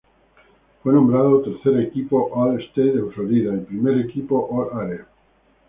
Fue nombrado Tercer Equipo All-State en Florida, y Primer Equipo All-Area.